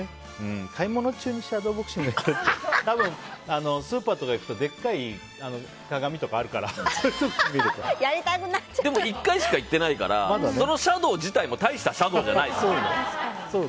買い物中にシャドーボクシングって多分スーパーとか行くとでっかい鏡とかあるからでも１回しか行ってないからそのシャドー自体もたいしたシャドーじゃない。